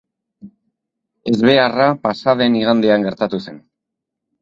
Ezbeharra pasa den igandean gertatu zen.